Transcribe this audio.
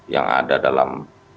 yang ada dalam